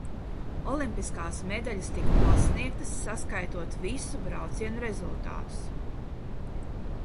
Olimpiskās medaļas tika pasniegtas saskaitot visu braucienu rezultātus.